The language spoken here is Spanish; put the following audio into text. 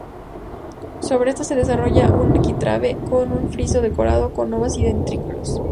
Sobre estas se desarrolla un arquitrabe con un friso decorado con ovas y dentículos.